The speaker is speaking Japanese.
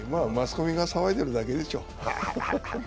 マスコミが騒いでるだけでしょう。